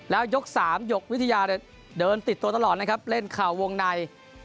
แล้วยก๓หยกวิทยาเดินติดตัวตลอดนะครับเล่นเข่าวงใน